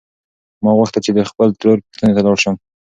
ما غوښتل چې د خپلې ترور پوښتنې ته لاړ شم.